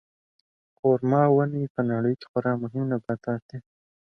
خورما ونې په نړۍ کې خورا مهم نباتات دي.